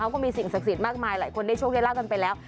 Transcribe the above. ก็มีสิ่งศักดิ์สิทธิ์มากมายหลายคนได้โชคได้ลาบกันไปแล้ว